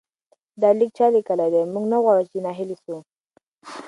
دا لیک چا لیکلی دی؟ موږ نه غواړو چې ناهیلي سو.